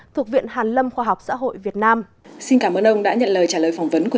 thuộc viện hàn lâm khoa học xã hội việt nam xin cảm ơn ông đã nhận lời trả lời phỏng vấn của